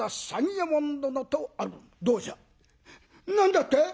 「何だって！？